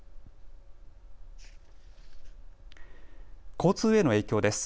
交通への影響です。